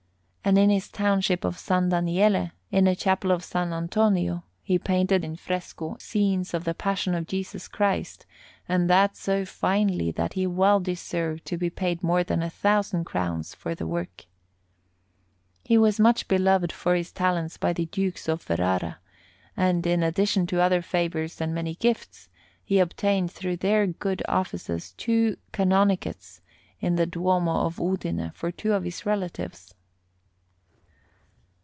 And in his township of San Daniele, in a chapel of S. Antonio, he painted in fresco scenes of the Passion of Jesus Christ, and that so finely that he well deserved to be paid more than a thousand crowns for the work. He was much beloved for his talents by the Dukes of Ferrara, and, in addition to other favours and many gifts, he obtained through their good offices two Canonicates in the Duomo of Udine for two of his relatives.